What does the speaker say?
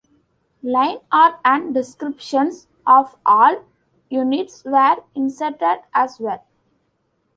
Line art and descriptions of all units were inserted as well.